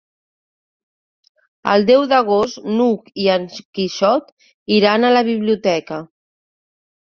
El deu d'agost n'Hug i en Quixot iran a la biblioteca.